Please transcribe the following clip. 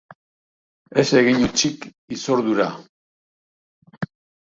Ez egin hutsik hitzordura!